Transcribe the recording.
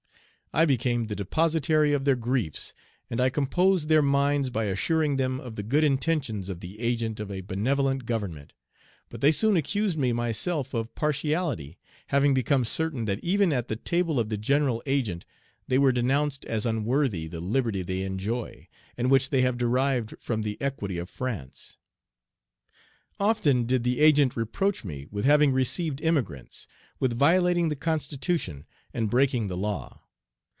I became the depositary of their griefs, and I composed their minds by assuring them of the good intentions of the Agent of a benevolent government; but they soon accused me myself of partiality, having become certain that even at the table of the General Agent they were denounced as unworthy the liberty they enjoy, and which they have derived from the equity of France. "Often did the Agent reproach me with having received emigrants, with violating the constitution, and breaking the law.